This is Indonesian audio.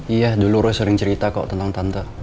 iya dulu roh sering cerita kok tentang tante